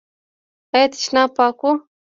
ایا تشناب پاک و؟